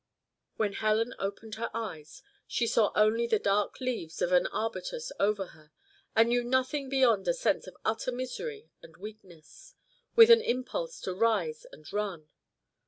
When Helen opened her eyes, she saw only the dark leaves of an arbutus over her, and knew nothing beyond a sense of utter misery and weakness, with an impulse to rise and run.